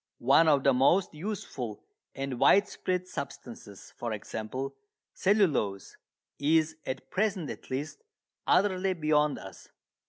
One of the most useful and widespread substances, for example, cellulose, is, at present at least, utterly beyond us.